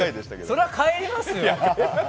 それは帰りますよ。